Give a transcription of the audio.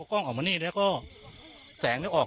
หญิงบอกว่าจะเป็นพี่ปวกหญิงบอกว่าจะเป็นพี่ปวก